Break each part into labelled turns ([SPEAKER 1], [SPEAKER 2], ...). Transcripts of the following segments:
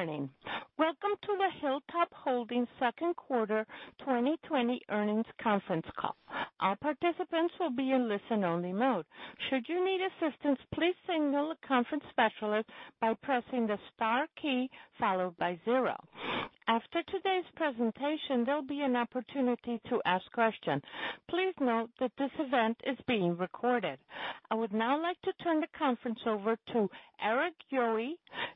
[SPEAKER 1] Good morning. Welcome to the Hilltop Holdings Second Quarter 2020 Earnings Conference Call. All participants will be in listen-only mode. Should you need assistance, please signal a conference specialist by pressing the star key followed by zero. After today's presentation, there'll be an opportunity to ask questions. Please note that this event is being recorded. I would now like to turn the conference over to Erik Yohe,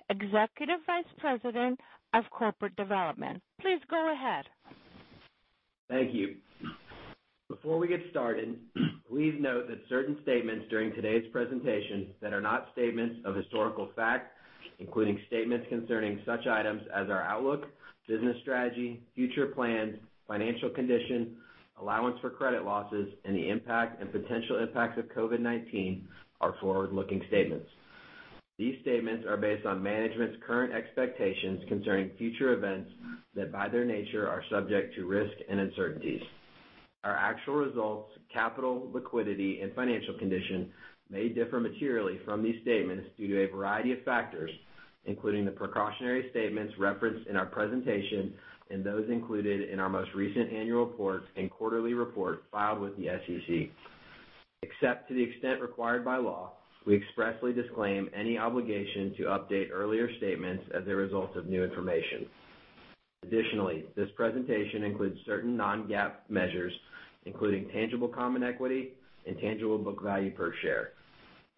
[SPEAKER 1] Executive Vice President of Corporate Development. Please go ahead.
[SPEAKER 2] Thank you. Before we get started, please note that certain statements during today's presentation that are not statements of historical fact, including statements concerning such items as our outlook, business strategy, future plans, financial condition, allowance for credit losses, and the impact and potential impacts of COVID-19, are forward-looking statements. These statements are based on management's current expectations concerning future events that, by their nature, are subject to risks and uncertainties. Our actual results, capital, liquidity, and financial condition may differ materially from these statements due to a variety of factors, including the precautionary statements referenced in our presentation and those included in our most recent annual reports and quarterly report filed with the SEC. Except to the extent required by law, we expressly disclaim any obligation to update earlier statements as a result of new information. Additionally, this presentation includes certain non-GAAP measures, including tangible common equity and tangible book value per share.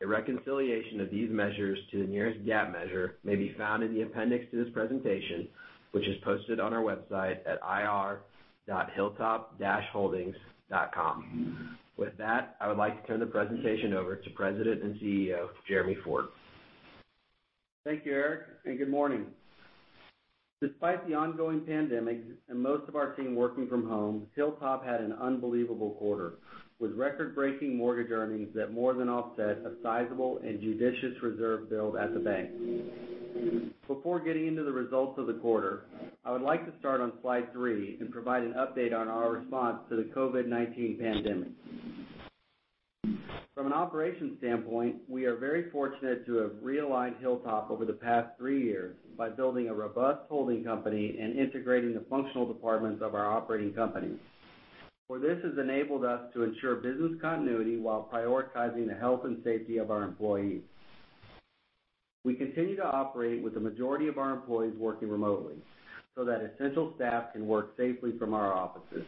[SPEAKER 2] A reconciliation of these measures to the nearest GAAP measure may be found in the appendix to this presentation, which is posted on our website at ir.hilltop-holdings.com. With that, I would like to turn the presentation over to President and CEO, Jeremy Ford.
[SPEAKER 3] Thank you, Erik, and good morning. Despite the ongoing pandemic and most of our team working from home, Hilltop had an unbelievable quarter, with record-breaking mortgage earnings that more than offset a sizable and judicious reserve build at the bank. Before getting into the results of the quarter, I would like to start on slide three and provide an update on our response to the COVID-19 pandemic. From an operations standpoint, we are very fortunate to have realigned Hilltop over the past three years by building a robust holding company and integrating the functional departments of our operating company. This has enabled us to ensure business continuity while prioritizing the health and safety of our employees. We continue to operate with the majority of our employees working remotely so that essential staff can work safely from our offices.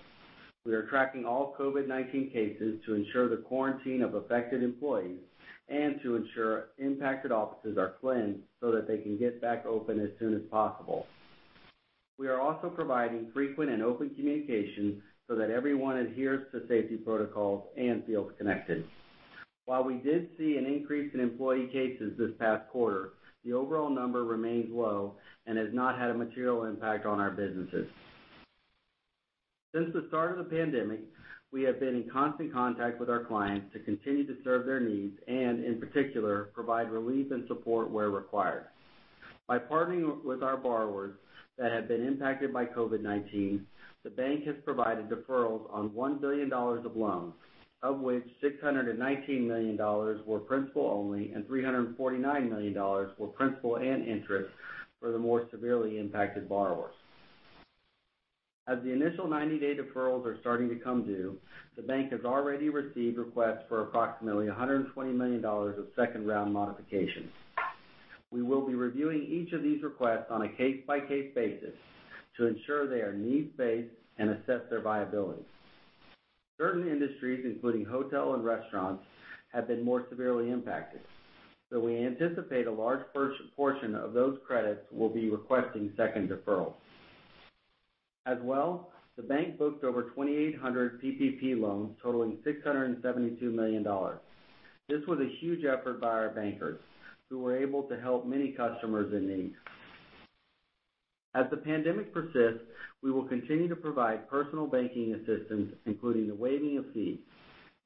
[SPEAKER 3] We are tracking all COVID-19 cases to ensure the quarantine of affected employees and to ensure impacted offices are cleansed so that they can get back open as soon as possible. We are also providing frequent and open communication so that everyone adheres to safety protocols and feels connected. While we did see an increase in employee cases this past quarter, the overall number remains low and has not had a material impact on our businesses. Since the start of the pandemic, we have been in constant contact with our clients to continue to serve their needs and, in particular, provide relief and support where required. By partnering with our borrowers that have been impacted by COVID-19, the bank has provided deferrals on $1 billion of loans, of which $619 million were principal only and $349 million were principal and interest for the more severely impacted borrowers. As the initial 90-day deferrals are starting to come due, the bank has already received requests for approximately $120 million of second-round modifications. We will be reviewing each of these requests on a case-by-case basis to ensure they are needs-based and assess their viability. Certain industries, including hotel and restaurants, have been more severely impacted, so we anticipate a large portion of those credits will be requesting second deferrals. As well, the bank booked over 2,800 PPP loans totaling $672 million. This was a huge effort by our bankers, who were able to help many customers in need. As the pandemic persists, we will continue to provide personal banking assistance, including the waiving of fees,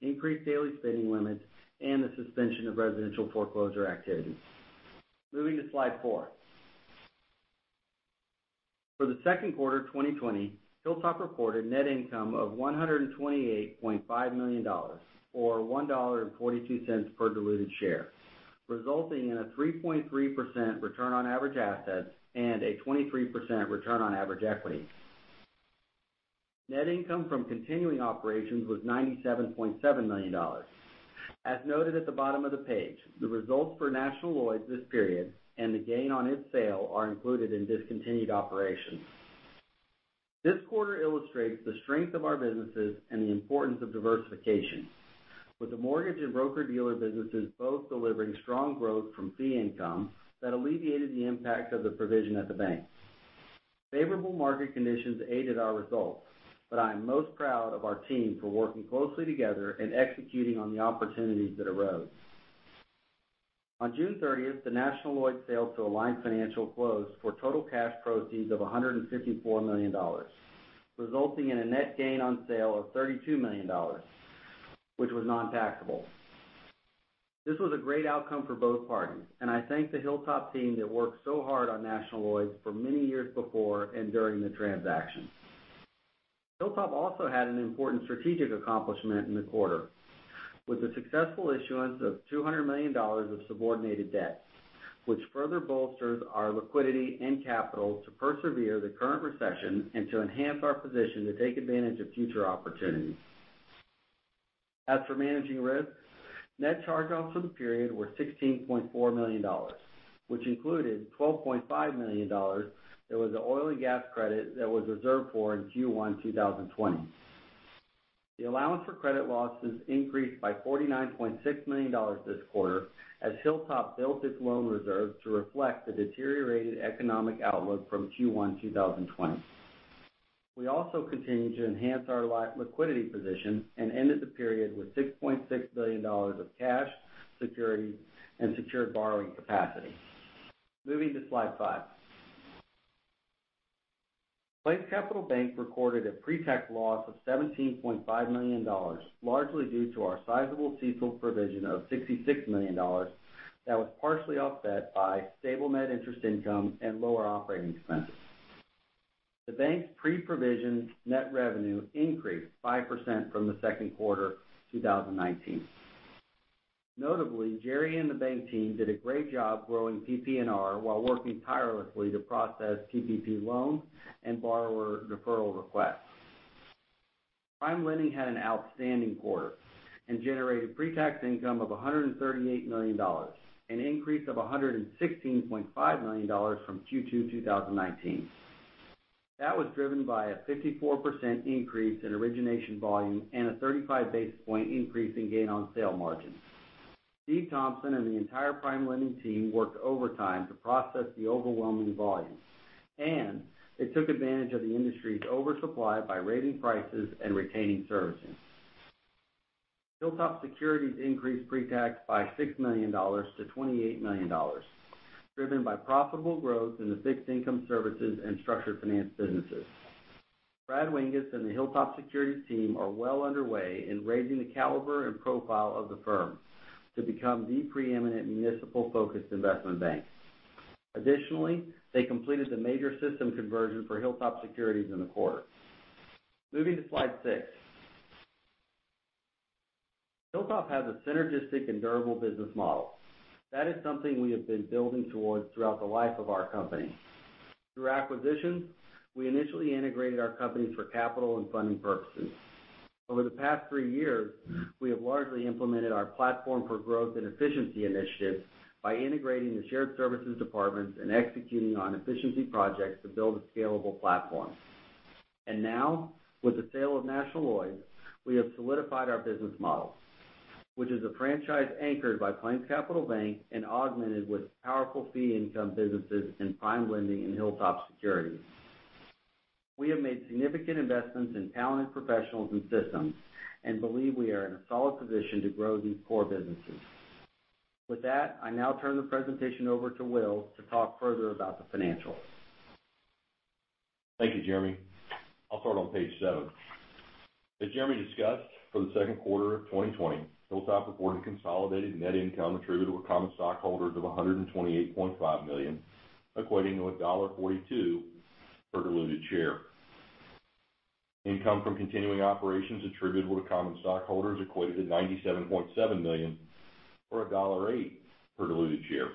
[SPEAKER 3] increased daily spending limits, and the suspension of residential foreclosure activities. Moving to slide four. For the second quarter 2020, Hilltop reported net income of $128.5 million, or $1.42 per diluted share, resulting in a 3.3% return on average assets and a 23% return on average equity. Net income from continuing operations was $97.7 million. As noted at the bottom of the page, the results for National Lloyds this period and the gain on its sale are included in discontinued operations. This quarter illustrates the strength of our businesses and the importance of diversification, with the mortgage and broker-dealer businesses both delivering strong growth from fee income that alleviated the impact of the provision at the bank. Favorable market conditions aided our results, but I am most proud of our team for working closely together and executing on the opportunities that arose. On June 30th, the National Lloyds sale to Align Financial Holdings closed for total cash proceeds of $154 million, resulting in a net gain on sale of $32 million, which was non-taxable. This was a great outcome for both parties. I thank the Hilltop team that worked so hard on National Lloyds for many years before and during the transaction. Hilltop also had an important strategic accomplishment in the quarter with the successful issuance of $200 million of subordinated debt, which further bolsters our liquidity and capital to persevere the current recession and to enhance our position to take advantage of future opportunities. As for managing risk, net charge-offs for the period were $16.4 million, which included $12.5 million that was an oil and gas credit that was reserved for in Q1 2020. The allowance for credit losses increased by $49.6 million this quarter as Hilltop built its loan reserves to reflect the deteriorated economic outlook from Q1 2020. We also continued to enhance our liquidity position and ended the period with $6.6 billion of cash, security, and secured borrowing capacity. Moving to slide five. PlainsCapital Bank recorded a pre-tax loss of $17.5 million, largely due to our sizable CECL provision of $66 million that was partially offset by stable net interest income and lower operating expenses. The bank's pre-provision net revenue increased 5% from the second quarter 2019. Notably, Jerry and the bank team did a great job growing PPNR while working tirelessly to process PPP loans and borrower deferral requests. PrimeLending had an outstanding quarter and generated pre-tax income of $138 million, an increase of $116.5 million from Q2 2019. That was driven by a 54% increase in origination volume and a 35 basis point increase in gain on sale margin. Steve Thompson and the entire PrimeLending team worked overtime to process the overwhelming volume. They took advantage of the industry's oversupply by raising prices and retaining servicing. HilltopSecurities increased pre-tax by $6 million to $28 million, driven by profitable growth in the fixed income services and Structured Finance businesses. Brad Winges and the HilltopSecurities team are well underway in raising the caliber and profile of the firm to become the preeminent municipal-focused investment bank. They completed the major system conversion for HilltopSecurities in the quarter. Moving to slide six. Hilltop has a synergistic and durable business model. That is something we have been building towards throughout the life of our company. Through acquisitions, we initially integrated our companies for capital and funding purposes. Over the past three years, we have largely implemented our platform for growth and efficiency initiatives by integrating the shared services departments and executing on efficiency projects to build a scalable platform. Now, with the sale of National Lloyds, we have solidified our business model, which is a franchise anchored by PlainsCapital Bank and augmented with powerful fee income businesses in PrimeLending and HilltopSecurities. We have made significant investments in talented professionals and systems and believe we are in a solid position to grow these core businesses. With that, I now turn the presentation over to Will to talk further about the financials.
[SPEAKER 4] Thank you, Jeremy. I'll start on page seven. As Jeremy discussed, for the second quarter of 2020, Hilltop reported consolidated net income attributable to common stockholders of $128.5 million, equating to $1.42 per diluted share. Income from continuing operations attributable to common stockholders equated to $97.7 million, or $1.08 per diluted share.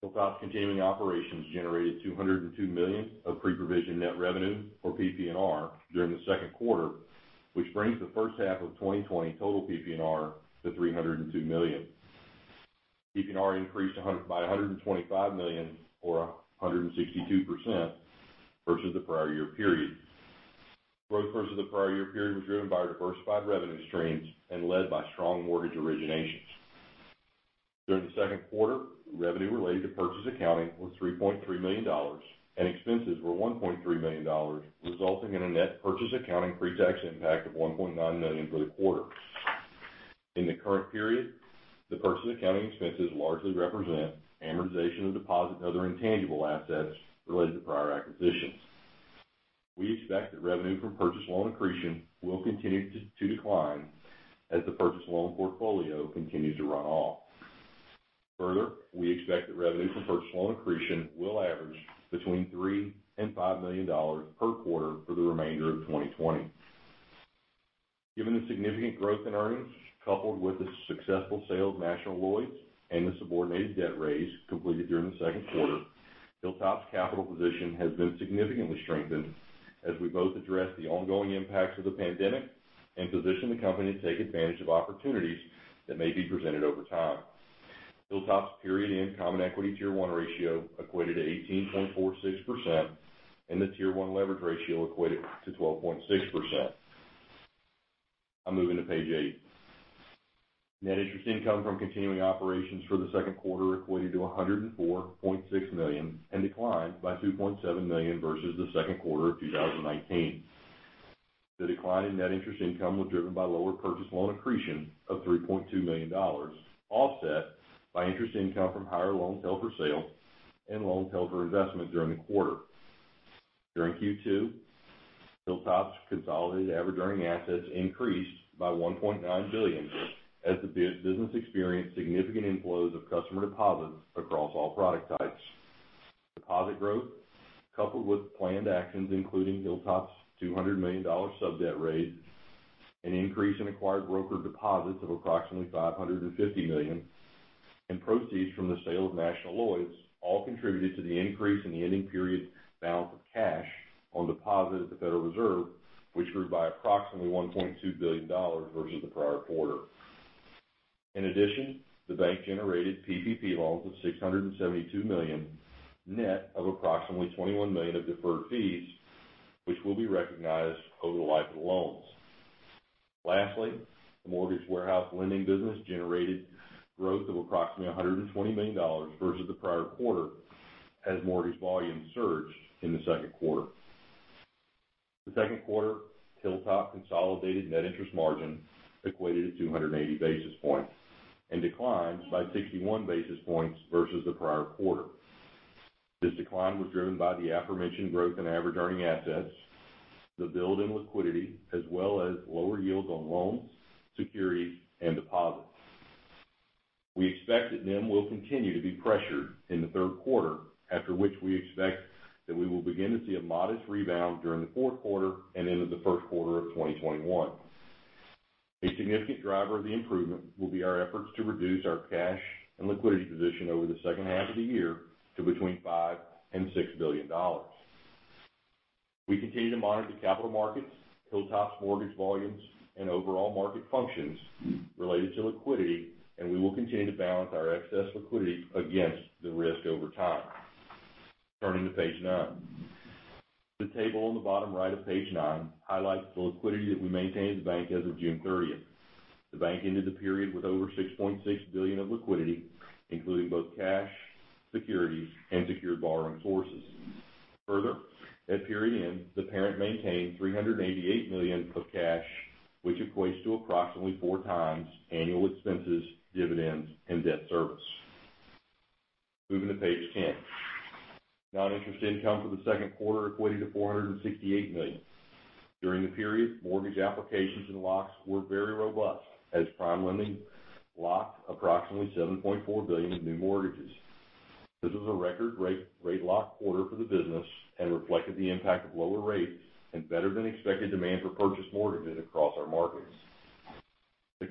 [SPEAKER 4] Hilltop's continuing operations generated $202 million of pre-provision net revenue or PPNR during the second quarter, which brings the first half of 2020 total PPNR to $302 million. PPNR increased by $125 million or 162% versus the prior year period. Growth versus the prior year period was driven by our diversified revenue streams and led by strong mortgage originations. During the second quarter, revenue related to purchase accounting was $3.3 million and expenses were $1.3 million, resulting in a net purchase accounting pre-tax impact of $1.9 million for the quarter. In the current period, the purchase accounting expenses largely represent amortization of deposit and other intangible assets related to prior acquisitions. We expect that revenue from purchase loan accretion will continue to decline as the purchase loan portfolio continues to run off. Further, we expect that revenue from purchase loan accretion will average between $3 million-$5 million per quarter for the remainder of 2020. Given the significant growth in earnings, coupled with the successful sale of National Lloyds and the subordinated debt raise completed during the second quarter, Hilltop's capital position has been significantly strengthened as we both address the ongoing impacts of the pandemic and position the company to take advantage of opportunities that may be presented over time. Hilltop's period-end Common Equity Tier 1 ratio equated to 18.46%, and the Tier 1 leverage ratio equated to 12.6%. I'm moving to page eight. Net interest income from continuing operations for the second quarter equated to $104.6 million and declined by $2.7 million versus the second quarter of 2019. The decline in net interest income was driven by lower purchase loan accretion of $3.2 million, offset by interest income from higher loans held for sale and loans held for investment during the quarter. During Q2, Hilltop's consolidated average earning assets increased by $1.9 billion as the business experienced significant inflows of customer deposits across all product types. Deposit growth, coupled with planned actions, including Hilltop's $200 million sub-debt raise, an increase in acquired broker deposits of approximately $550 million, and proceeds from the sale of National Lloyds, all contributed to the increase in the ending period balance of cash on deposit at the Federal Reserve, which grew by approximately $1.2 billion versus the prior quarter. In addition, the bank generated PPP loans of $672 million, net of approximately $21 million of deferred fees, which will be recognized over the life of the loans. Lastly, the mortgage warehouse lending business generated growth of approximately $120 million versus the prior quarter, as mortgage volumes surged in the second quarter. The second quarter Hilltop consolidated net interest margin equated to 280 basis points and declines by 61 basis points versus the prior quarter. This decline was driven by the aforementioned growth in average earning assets, the build in liquidity, as well as lower yields on loans, securities, and deposits. We expect that NIM will continue to be pressured in the third quarter, after which we expect that we will begin to see a modest rebound during the fourth quarter and into the first quarter of 2021. A significant driver of the improvement will be our efforts to reduce our cash and liquidity position over the second half of the year to between $5 billion and $6 billion. We continue to monitor the capital markets, Hilltop's mortgage volumes, and overall market functions related to liquidity, and we will continue to balance our excess liquidity against the risk over time. Turning to page nine. The table on the bottom right of page nine highlights the liquidity that we maintain as a bank as of June 30th. The bank ended the period with over $6.6 billion of liquidity, including both cash, securities, and secured borrowing sources. Further, at period end, the parent maintained $388 million of cash, which equates to approximately 4x annual expenses, dividends, and debt service. Moving to page 10. Non-interest income for the second quarter equated to $468 million. During the period, mortgage applications and locks were very robust, as PrimeLending locked approximately $7.4 billion of new mortgages. This was a record rate lock quarter for the business and reflected the impact of lower rates and better than expected demand for purchase mortgages across our markets.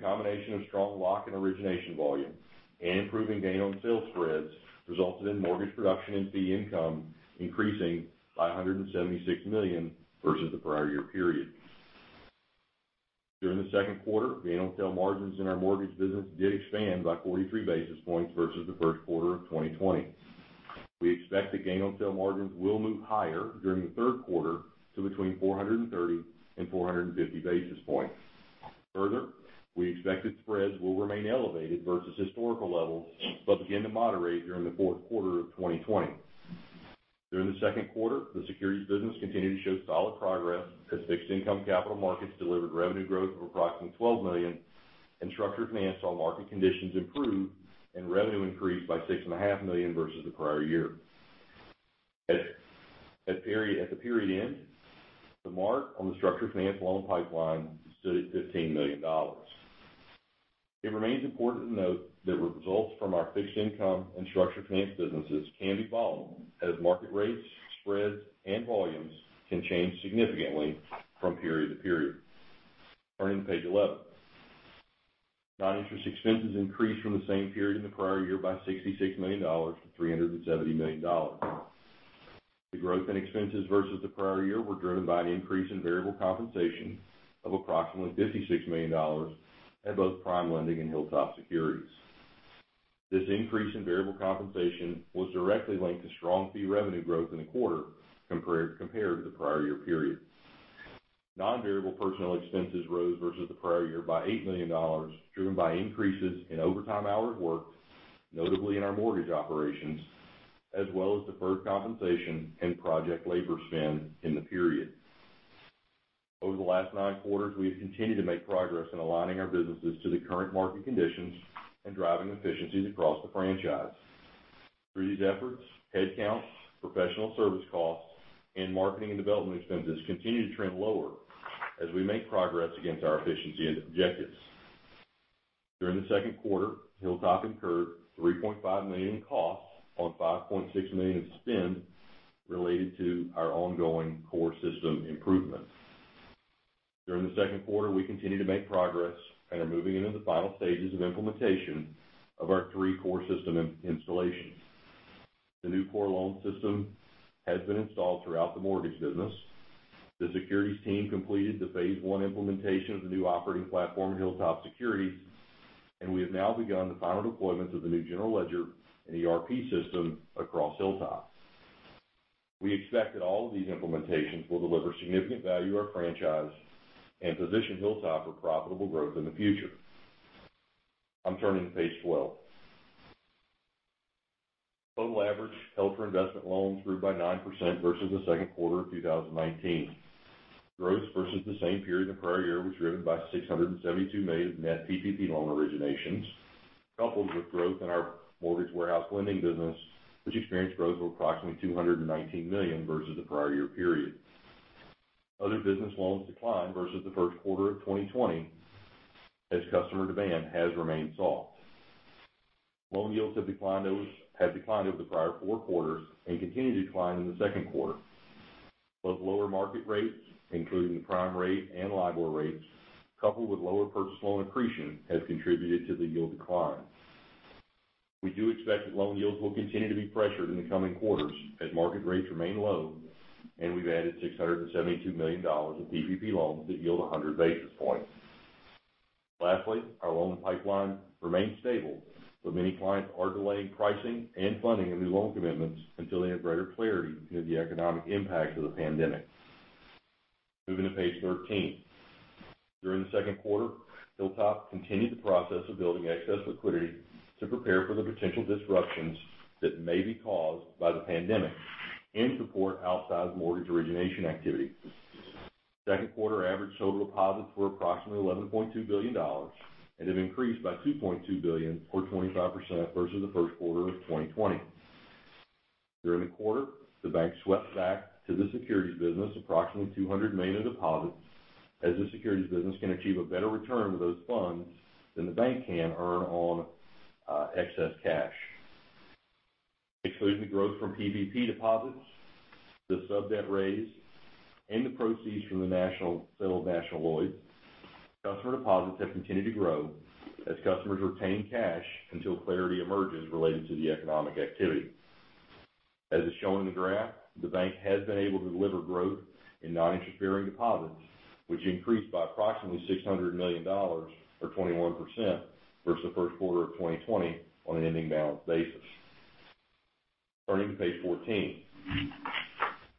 [SPEAKER 4] The combination of strong lock and origination volume and improving gain on sale spreads resulted in mortgage production and fee income increasing by $176 million versus the prior year period. During the second quarter, gain on sale margins in our mortgage business did expand by 43 basis points versus the first quarter of 2020. We expect the gain on sale margins will move higher during the third quarter to between 430 and 450 basis points. Further, we expect that spreads will remain elevated versus historical levels, but begin to moderate during the fourth quarter of 2020. During the second quarter, the securities business continued to show solid progress as fixed income capital markets delivered revenue growth of approximately $12 million. Structured finance saw market conditions improve and revenue increase by $6.5 Million versus the prior year. At the period end, the mark on the Structured Finance loan pipeline stood at $15 million. It remains important to note that results from our fixed income and Structured Finance businesses can be volatile as market rates, spreads, and volumes can change significantly from period to period. Turning to page 11. Non-interest expenses increased from the same period in the prior year by $66 million to $370 million. The growth in expenses versus the prior year were driven by an increase in variable compensation of approximately $56 million at both PrimeLending and HilltopSecurities. This increase in variable compensation was directly linked to strong fee revenue growth in the quarter compared to the prior year period. Non-variable personnel expenses rose versus the prior year by $8 million, driven by increases in overtime hours worked, notably in our mortgage operations, as well as deferred compensation and project labor spend in the period. Over the last nine quarters, we have continued to make progress in aligning our businesses to the current market conditions and driving efficiencies across the franchise. Through these efforts, headcounts, professional service costs, and marketing and development expenses continue to trend lower as we make progress against our efficiency objectives. During the second quarter, Hilltop incurred $3.5 million in costs on $5.6 million in spend related to our ongoing core system improvement. During the second quarter, we continued to make progress and are moving into the final stages of implementation of our three core system installations. The new core loan system has been installed throughout the mortgage business. The securities team completed the phase one implementation of the new operating platform at HilltopSecurities, and we have now begun the final deployment of the new general ledger and ERP system across Hilltop. We expect that all of these implementations will deliver significant value to our franchise and position Hilltop for profitable growth in the future. I'm turning to page 12. Total average held for investment loans grew by 9% versus the second quarter of 2019. Growth versus the same period in the prior year was driven by $672 million of net PPP loan originations, coupled with growth in our mortgage warehouse lending business, which experienced growth of approximately $219 million versus the prior year period. Other business loans declined versus the first quarter of 2020, as customer demand has remained soft. Loan yields have declined over the prior four quarters and continue to decline in the second quarter. Both lower market rates, including the prime rate and LIBOR rates, coupled with lower purchase loan accretion, have contributed to the yield decline. We do expect that loan yields will continue to be pressured in the coming quarters as market rates remain low, and we've added $672 million in PPP loans that yield 100 basis points. Our loan pipeline remains stable, but many clients are delaying pricing and funding of new loan commitments until they have greater clarity into the economic impact of the pandemic. Moving to page 13. During the second quarter, Hilltop continued the process of building excess liquidity to prepare for the potential disruptions that may be caused by the pandemic and support outsized mortgage origination activity. Second quarter average total deposits were approximately $11.2 billion and have increased by $2.2 billion or 25% versus the first quarter of 2020. During the quarter, the bank swept back to the securities business approximately $200 million in deposits, as the securities business can achieve a better return with those funds than the bank can earn on excess cash. Excluding the growth from PPP deposits, the sub-debt raise, and the proceeds from the sale of National Lloyds, customer deposits have continued to grow as customers retain cash until clarity emerges related to the economic activity. As is shown in the graph, the bank has been able to deliver growth in non-interest-bearing deposits, which increased by approximately $600 million or 21% versus the first quarter of 2020 on an ending balance basis. Turning to page 14.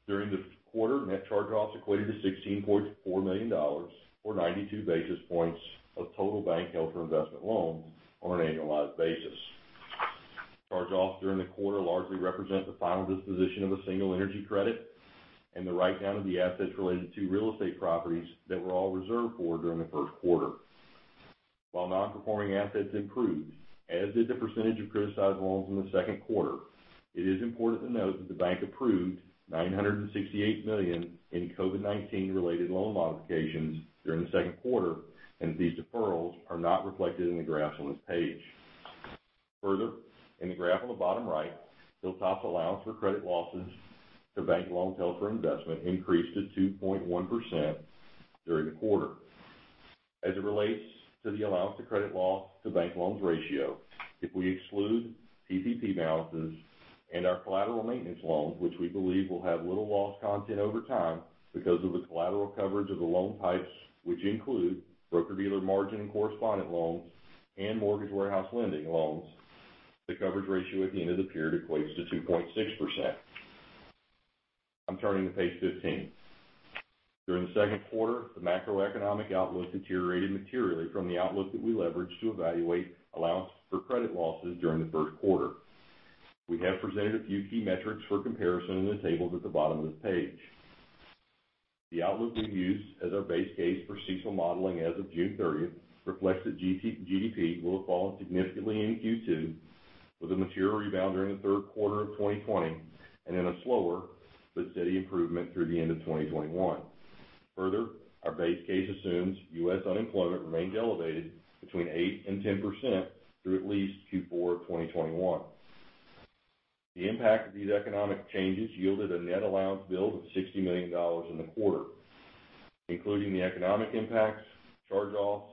[SPEAKER 4] During the quarter, net charge-offs equated to $16.4 million, or 92 basis points of total bank held for investment loans on an annualized basis. Charge-offs during the quarter largely represent the final disposition of a single energy credit and the write-down of the assets related to real estate properties that were all reserved for during the first quarter. While non-performing assets improved, as did the percentage of criticized loans in the second quarter, it is important to note that the bank approved $968 million in COVID-19 related loan modifications during the second quarter. These deferrals are not reflected in the graphs on this page. Further, in the graph on the bottom right, Hilltop's allowance for credit losses to bank loans held for investment increased to 2.1% during the quarter. As it relates to the allowance to credit loss to bank loans ratio, if we exclude PPP balances and our collateral maintenance loans, which we believe will have little loss content over time because of the collateral coverage of the loan types, which include broker-dealer margin and correspondent loans and mortgage warehouse lending loans, the coverage ratio at the end of the period equates to 2.6%. I'm turning to page 15. During the second quarter, the macroeconomic outlook deteriorated materially from the outlook that we leveraged to evaluate allowance for credit losses during the first quarter. We have presented a few key metrics for comparison in the tables at the bottom of the page. The outlook we used as our base case for CECL modeling as of June 30th reflects that GDP will have fallen significantly in Q2 with a material rebound during the third quarter of 2020 and then a slower but steady improvement through the end of 2021. Our base case assumes U.S. unemployment remains elevated between 8% and 10% through at least Q4 of 2021. The impact of these economic changes yielded a net allowance build of $60 million in the quarter. Including the economic impacts, charge-offs,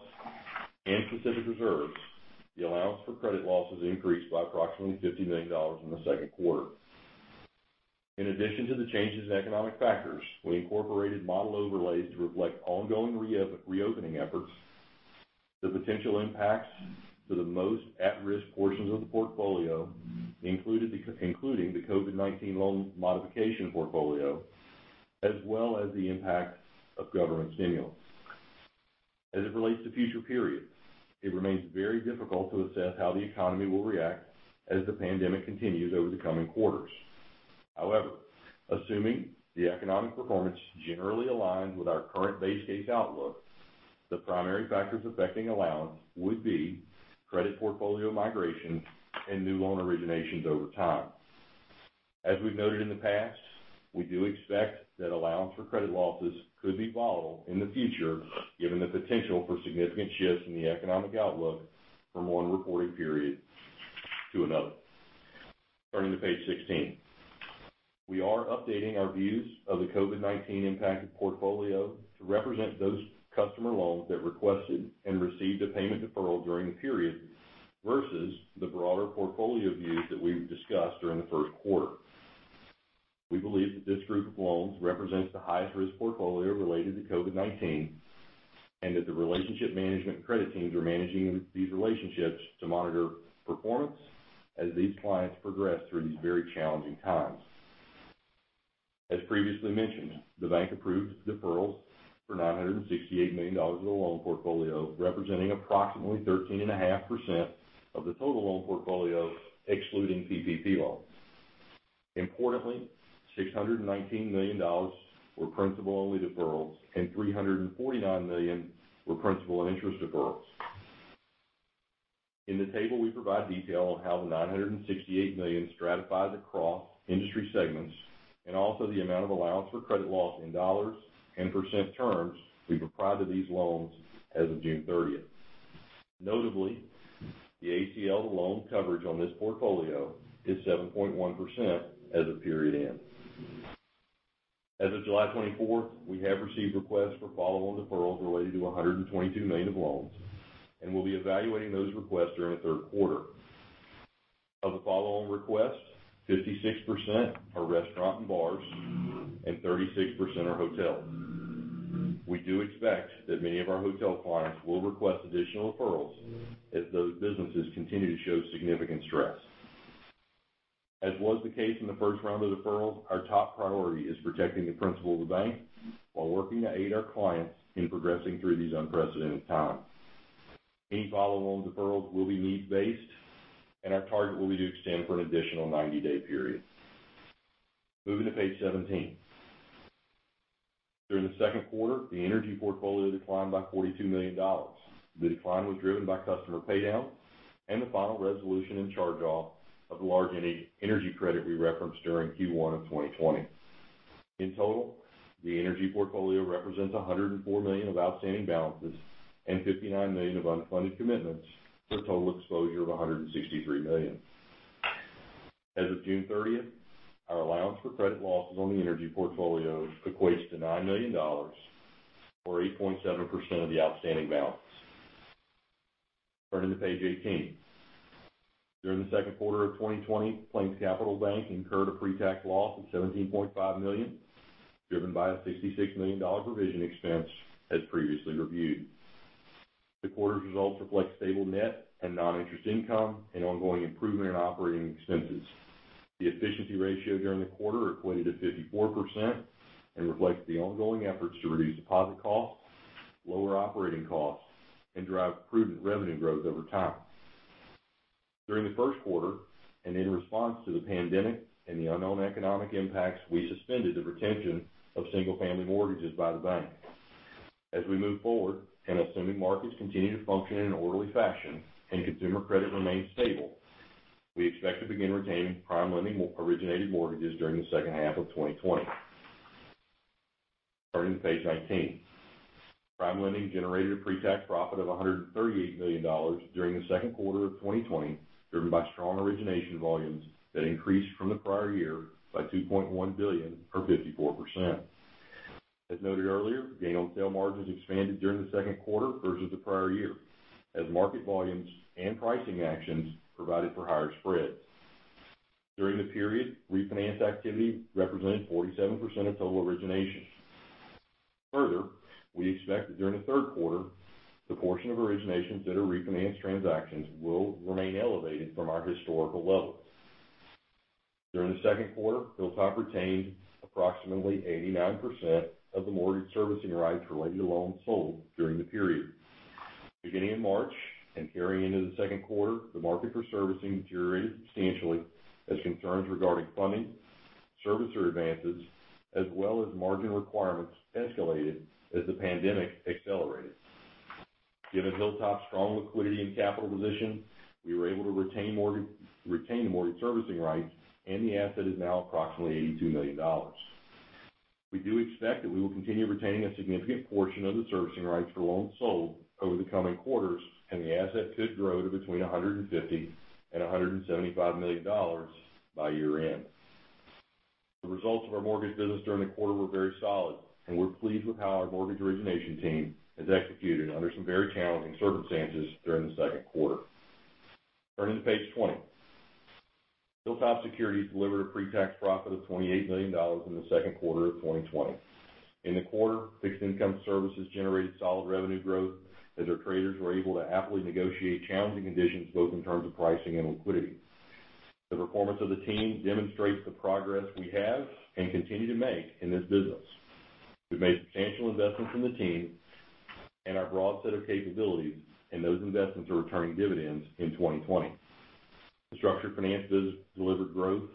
[SPEAKER 4] and specific reserves, the allowance for credit losses increased by approximately $50 million in the second quarter. In addition to the changes in economic factors, we incorporated model overlays to reflect ongoing reopening efforts, the potential impacts to the most at-risk portions of the portfolio, including the COVID-19 loan modification portfolio, as well as the impact of government stimulus. As it relates to future periods, it remains very difficult to assess how the economy will react as the pandemic continues over the coming quarters. However, assuming the economic performance generally aligns with our current base case outlook, the primary factors affecting allowance would be credit portfolio migration and new loan originations over time. As we've noted in the past, we do expect that allowance for credit losses could be volatile in the future, given the potential for significant shifts in the economic outlook from one reporting period to another. Turning to page 16. We are updating our views of the COVID-19 impacted portfolio to represent those customer loans that requested and received a payment deferral during the period versus the broader portfolio view that we've discussed during the first quarter. We believe that this group of loans represents the highest risk portfolio related to COVID-19, and that the relationship management credit teams are managing these relationships to monitor performance as these clients progress through these very challenging times. As previously mentioned, the bank approved deferrals for $968 million of the loan portfolio, representing approximately 13.5% of the total loan portfolio, excluding PPP loans. Importantly, $619 million were principal-only deferrals and $349 million were principal and interest deferrals. In the table, we provide detail on how the $968 million stratifies across industry segments, and also the amount of allowance for credit losses in dollars and percent terms we've applied to these loans as of June 30th. Notably, the ACL loan coverage on this portfolio is 7.1% as of period end. As of July 24th, we have received requests for follow-on deferrals related to $122 million of loans, and we'll be evaluating those requests during the third quarter. Of the follow-on requests, 56% are restaurant and bars, and 36% are hotel. We do expect that many of our hotel clients will request additional deferrals as those businesses continue to show significant stress. As was the case in the first round of deferrals, our top priority is protecting the principal of the bank while working to aid our clients in progressing through these unprecedented times. Any follow-on deferrals will be need-based, and our target will be to extend for an additional 90-day period. Moving to page 17. During the second quarter, the energy portfolio declined by $42 million. The decline was driven by customer paydown and the final resolution and charge-off of the large energy credit we referenced during Q1 2020. In total, the energy portfolio represents $104 million of outstanding balances and $59 million of unfunded commitments for a total exposure of $163 million. As of June 30th, our allowance for credit losses on the energy portfolio equates to $9 million, or 8.7% of the outstanding balance. Turning to page 18. During the second quarter of 2020, PlainsCapital Bank incurred a pre-tax loss of $17.5 million, driven by a $66 million provision expense, as previously reviewed. The quarter's results reflect stable net and non-interest income and ongoing improvement in operating expenses. The efficiency ratio during the quarter equated to 54% and reflects the ongoing efforts to reduce deposit costs, lower operating costs, and drive prudent revenue growth over time. During the first quarter, and in response to the pandemic and the unknown economic impacts, we suspended the retention of single-family mortgages by the bank. As we move forward, and assuming markets continue to function in an orderly fashion and consumer credit remains stable, we expect to begin retaining PrimeLending-originated mortgages during the second half of 2020. Turning to page 19. PrimeLending generated a pre-tax profit of $138 million during the second quarter of 2020, driven by strong origination volumes that increased from the prior year by $2.1 billion, or 54%. As noted earlier, gain on sale margins expanded during the second quarter versus the prior year, as market volumes and pricing actions provided for higher spreads. During the period, refinance activity represented 47% of total originations. We expect that during the third quarter, the portion of originations that are refinanced transactions will remain elevated from our historical levels. During the second quarter, Hilltop retained approximately 89% of the mortgage servicing rights related to loans sold during the period. Beginning in March and carrying into the second quarter, the market for servicing deteriorated substantially as concerns regarding funding, servicer advances, as well as margin requirements escalated as the pandemic accelerated. Given Hilltop's strong liquidity and capital position, we were able to retain the mortgage servicing rights, and the asset is now approximately $82 million. We do expect that we will continue retaining a significant portion of the servicing rights for loans sold over the coming quarters, and the asset could grow to between $150 million and $175 million by year-end. The results of our mortgage business during the quarter were very solid, and we're pleased with how our mortgage origination team has executed under some very challenging circumstances during the second quarter. Turning to page 20. HilltopSecurities delivered a pre-tax profit of $28 million in the second quarter of 2020. In the quarter, fixed income services generated solid revenue growth, as our traders were able to aptly negotiate challenging conditions, both in terms of pricing and liquidity. The performance of the team demonstrates the progress we have and continue to make in this business. We've made substantial investments in the team and our broad set of capabilities, and those investments are returning dividends in 2020. The Structured Finance business delivered growth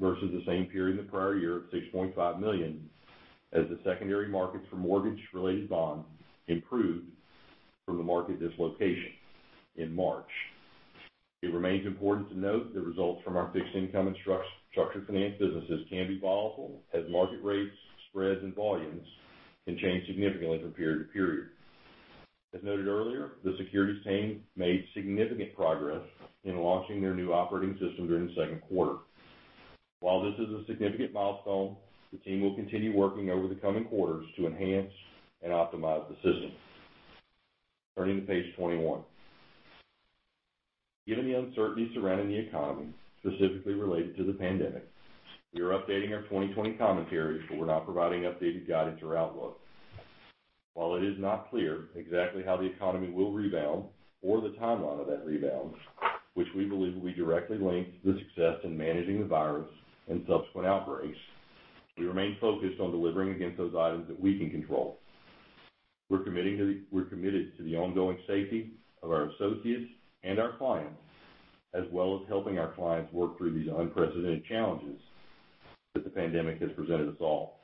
[SPEAKER 4] versus the same period in the prior year of $6.5 million as the secondary markets for mortgage-related bonds improved from the market dislocation in March. It remains important to note the results from our Fixed Income and Structured Finance businesses can be volatile as market rates, spreads, and volumes can change significantly from period to period. As noted earlier, the securities team made significant progress in launching their new operating system during the second quarter. While this is a significant milestone, the team will continue working over the coming quarters to enhance and optimize the system. Turning to page 21. Given the uncertainty surrounding the economy, specifically related to the pandemic, we are updating our 2020 commentary, but we're not providing updated guidance or outlook. While it is not clear exactly how the economy will rebound or the timeline of that rebound, which we believe will be directly linked to the success in managing the virus and subsequent outbreaks, we remain focused on delivering against those items that we can control. We're committed to the ongoing safety of our associates and our clients, as well as helping our clients work through these unprecedented challenges that the pandemic has presented us all.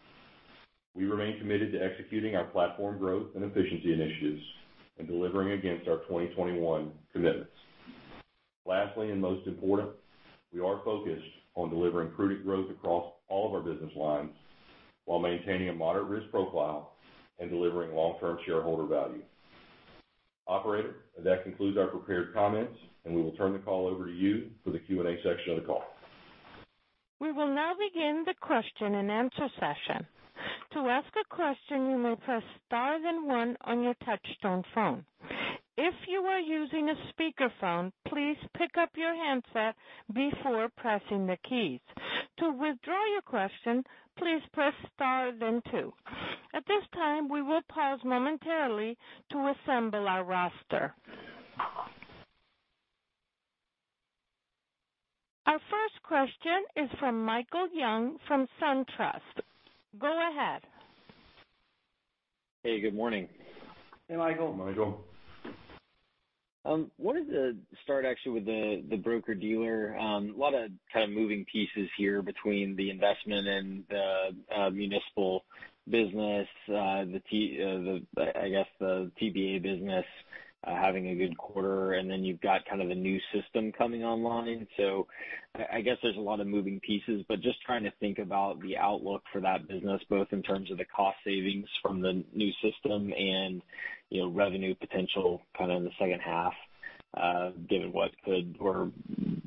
[SPEAKER 4] We remain committed to executing our platform growth and efficiency initiatives and delivering against our 2021 commitments. Lastly, and most important, we are focused on delivering prudent growth across all of our business lines while maintaining a moderate risk profile and delivering long-term shareholder value. Operator, that concludes our prepared comments, and we will turn the call over to you for the Q&A section of the call.
[SPEAKER 1] We will now begin the question-and-answer session. To ask a question, you may press star then one on your touchtone phone. If you are using a speakerphone, please pick up your handset before pressing the keys. To withdraw your question, please press star then two. At this time, we will pause momentarily to assemble our roster. Our first question is from Michael Young from SunTrust. Go ahead.
[SPEAKER 5] Hey, good morning.
[SPEAKER 3] Hey, Michael.
[SPEAKER 4] Hey, Michael.
[SPEAKER 5] I wanted to start actually with the broker-dealer. A lot of kind of moving pieces here between the investment and the municipal business, I guess the TBA business having a good quarter, and then you've got kind of a new system coming online. I guess there's a lot of moving pieces, but just trying to think about the outlook for that business, both in terms of the cost savings from the new system and revenue potential kind of in the second half, given what could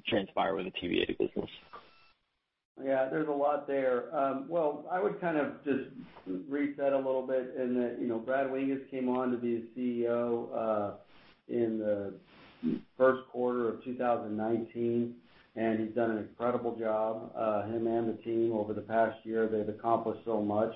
[SPEAKER 5] transpire with the TBA business.
[SPEAKER 3] Yeah, there's a lot there. Well, I would kind of just reset a little bit in that, Brad Winges came on to be the CEO in the first quarter of 2019, and he's done an incredible job, him and the team, over the past year. They've accomplished so much.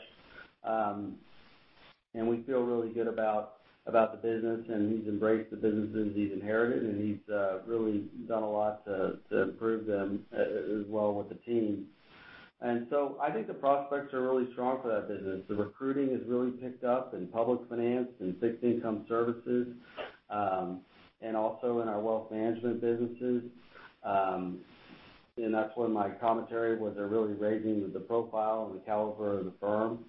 [SPEAKER 3] We feel really good about the business, and he's embraced the businesses he's inherited, and he's really done a lot to improve them, as well with the team. I think the prospects are really strong for that business. The recruiting has really picked up in Public Finance and Fixed Income services, and also in our wealth management businesses. That's where my commentary was, they're really raising the profile and the caliber of the firm.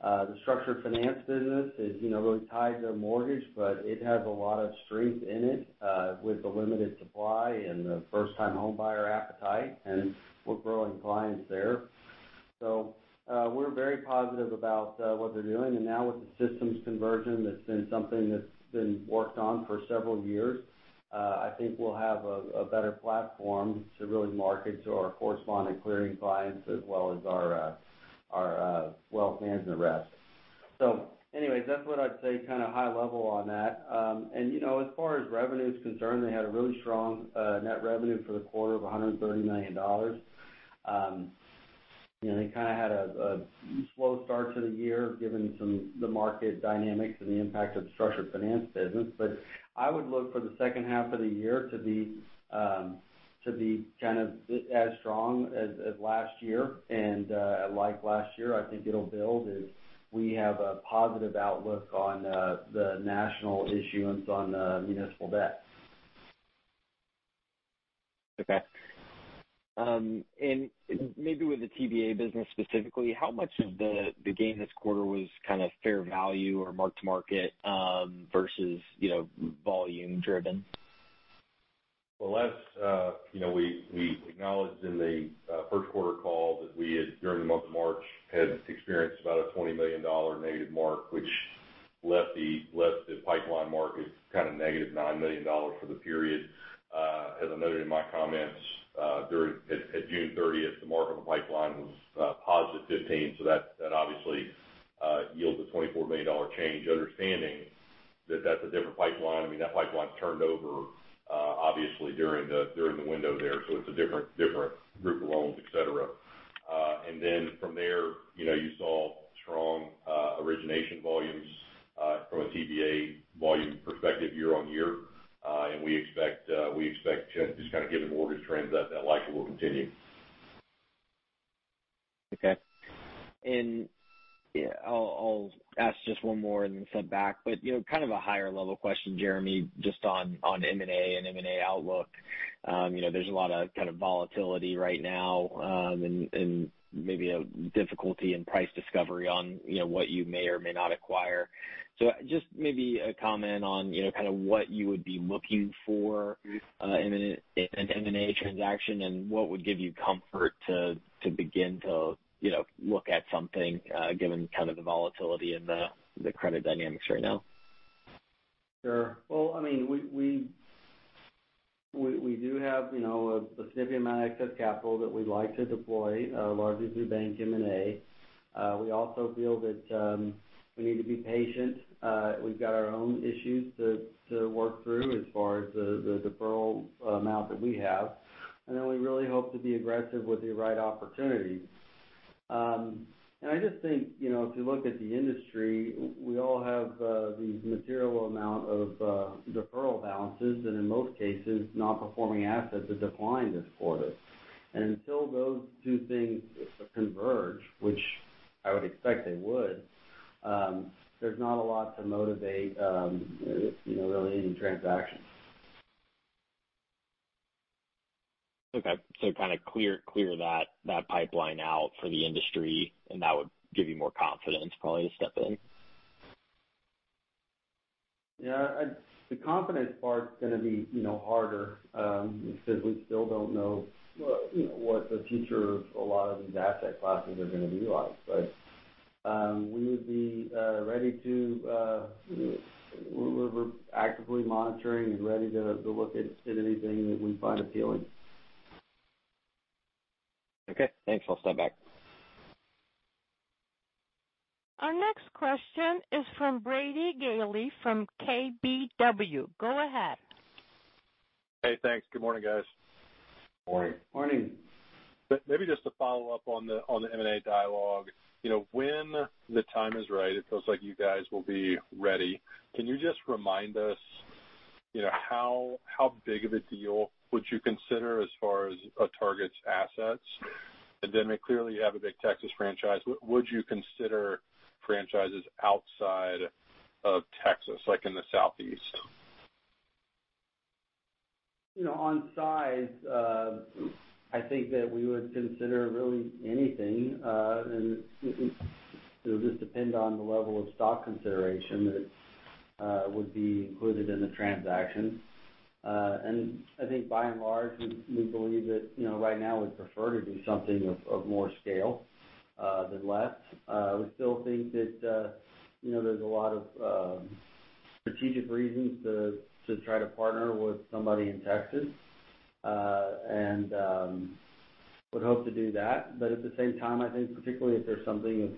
[SPEAKER 3] The Structured Finance business is really tied to mortgage, but it has a lot of strength in it with the limited supply and the first-time homebuyer appetite, and we're growing clients there. We're very positive about what they're doing. Now with the systems conversion, that's been something that's been worked on for several years. I think we'll have a better platform to really market to our correspondent clearing clients as well as our wealth management reps. Anyway, that's what I'd say kind of high level on that. As far as revenue is concerned, they had a really strong net revenue for the quarter of $130 million. They kind of had a slow start to the year given some the market dynamics and the impact of the Structured Finance business. I would look for the second half of the year to be kind of as strong as last year. Like last year, I think it'll build as we have a positive outlook on the national issuance on municipal debt.
[SPEAKER 5] Okay. Maybe with the TBA business specifically, how much of the gain this quarter was kind of fair value or mark-to-market versus volume driven?
[SPEAKER 4] As we acknowledged in the first quarter call that we, during the month of March, had experienced about a $20 million negative mark, which left the pipeline mark kind of negative $9 million for the period. As I noted in my comments, at June 30th, the mark on the pipeline was positive $15, so that obviously yields a $24 million change, understanding that that's a different pipeline. I mean, that pipeline turned over obviously during the window there, so it's a different group of loans, et cetera. From there, you saw strong origination volumes from a TBA volume perspective year-on-year. We expect, just kind of given mortgage trends, that that likely will continue.
[SPEAKER 5] Okay. I'll ask just one more and then step back. Kind of a higher level question, Jeremy, just on M&A and M&A outlook. There's a lot of kind of volatility right now, and maybe a difficulty in price discovery on what you may or may not acquire. Just maybe a comment on kind of what you would be looking for in an M&A transaction and what would give you comfort to begin to look at something given kind of the volatility in the credit dynamics right now?
[SPEAKER 3] Sure. Well, we do have a significant amount of excess capital that we'd like to deploy, largely through bank M&A. We also feel that we need to be patient. We've got our own issues to work through as far as the deferral amount that we have. Then we really hope to be aggressive with the right opportunity. I just think, if you look at the industry, we all have these material amount of deferral balances and in most cases, non-performing assets have declined this quarter. Until those two things converge, which I would expect they would, there's not a lot to motivate really any transactions.
[SPEAKER 5] kind of clear that pipeline out for the industry, and that would give you more confidence probably to step in?
[SPEAKER 3] The confidence part's going to be harder, because we still don't know what the future of a lot of these asset classes are going to be like. We're actively monitoring and ready to look at anything that we find appealing.
[SPEAKER 5] Okay, thanks. I'll step back.
[SPEAKER 1] Our next question is from Brady Gailey from KBW. Go ahead.
[SPEAKER 6] Hey, thanks. Good morning, guys.
[SPEAKER 3] Morning.
[SPEAKER 4] Morning.
[SPEAKER 6] Maybe just to follow up on the M&A dialogue. When the time is right, it feels like you guys will be ready. Can you just remind us how big of a deal would you consider as far as a target's assets? Clearly, you have a big Texas franchise. Would you consider franchises outside of Texas, like in the Southeast?
[SPEAKER 3] On size, I think that we would consider really anything, it'll just depend on the level of stock consideration that would be included in the transaction. I think by and large, we believe that right now we'd prefer to do something of more scale than less. We still think that there's a lot of strategic reasons to try to partner with somebody in Texas, and would hope to do that. At the same time, I think particularly if there's something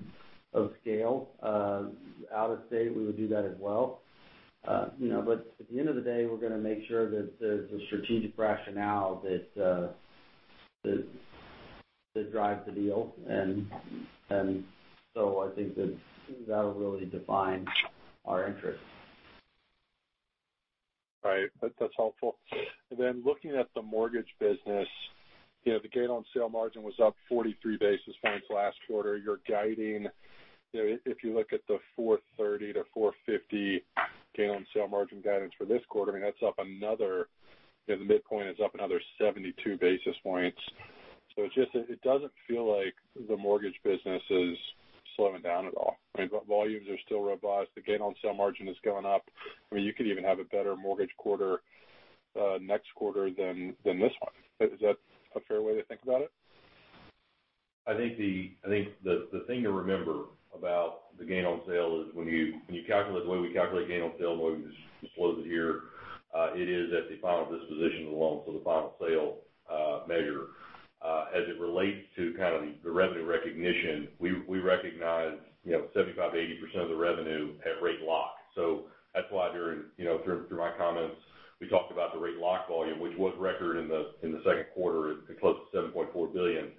[SPEAKER 3] of scale out of state, we would do that as well. At the end of the day, we're going to make sure that there's a strategic rationale that drives the deal. I think that'll really define our interest.
[SPEAKER 6] Right. That's helpful. Looking at the mortgage business, the gain on sale margin was up 43 basis points last quarter. You're guiding, if you look at the 430-450 gain on sale margin guidance for this quarter, the midpoint is up another 72 basis points. It doesn't feel like the mortgage business is slowing down at all. Volumes are still robust. The gain on sale margin is going up. You could even have a better mortgage quarter next quarter than this one. Is that a fair way to think about it?
[SPEAKER 4] I think the thing to remember about the gain on sale is when you calculate the way we calculate gain on sale, and the way we disclose it here, it is at the final disposition of the loan, so the final sale measure. As it relates to kind of the revenue recognition, we recognize 75%, 80% of the revenue at rate lock. That's why through my comments, we talked about the rate lock volume, which was record in the second quarter at close to $7.4 billion.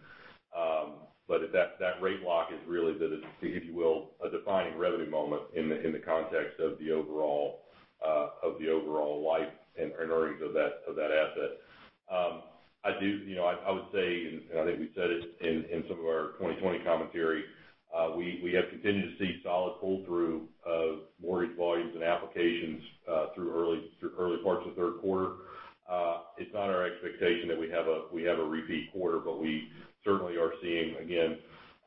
[SPEAKER 4] That rate lock is really the, if you will, a defining revenue moment in the context of the overall life and earnings of that asset. I would say, and I think we said it in some of our 2020 commentary, we have continued to see solid pull-through of mortgage volumes and applications through early parts of the third quarter. It's not our expectation that we have a repeat quarter, but we certainly are seeing, again,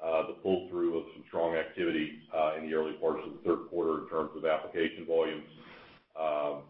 [SPEAKER 4] the pull-through of some strong activity in the early parts of the third quarter in terms of application volumes going forward.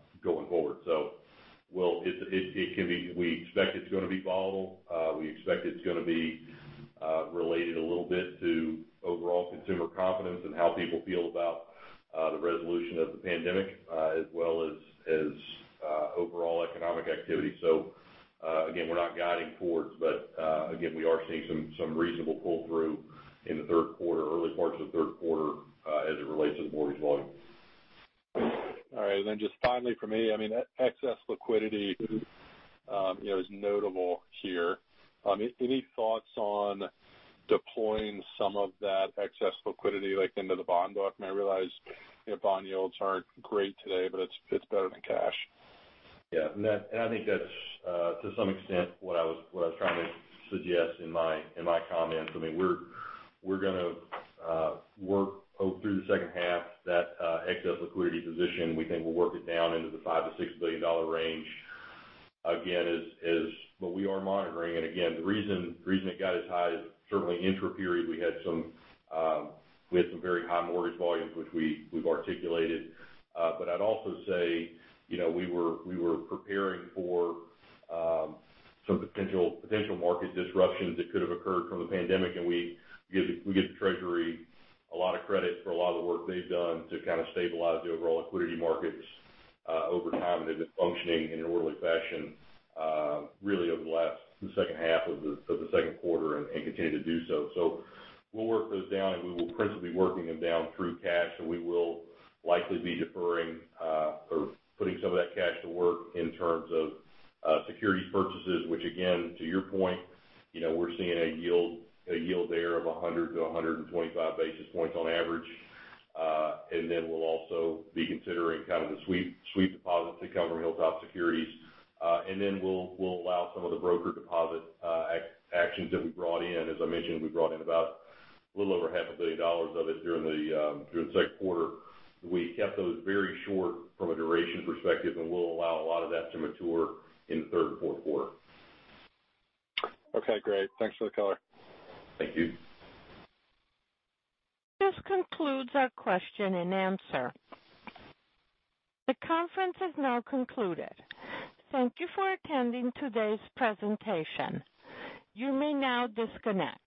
[SPEAKER 4] securities purchases, which again, to your point, we're seeing a yield there of 100-125 basis points on average. We'll also be considering kind of the sweep deposits that come from HilltopSecurities. We'll allow some of the broker deposit actions that we brought in. As I mentioned, we brought in about a little over $0.5 billion Of it during the second quarter. We kept those very short from a duration perspective, and we'll allow a lot of that to mature in the third and fourth quarter.
[SPEAKER 6] Okay, great. Thanks for the color.
[SPEAKER 4] Thank you.
[SPEAKER 1] This concludes our question and answer. The conference has now concluded. Thank you for attending today's presentation. You may now disconnect.